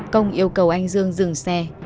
công yêu cầu anh dương dừng xe